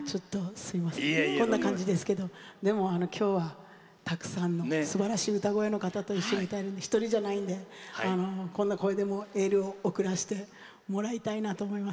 すいませんこんな感じですけどでも、今日は、たくさんのすばらしい歌声の方と歌えるんで一人じゃないんでこんな声でもエールを送らせてもらいたいなと思います。